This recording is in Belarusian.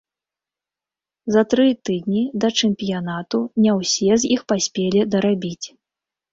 За тры тыдні да чэмпіянату не ўсе з іх паспелі дарабіць.